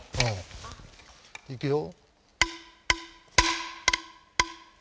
いくよ。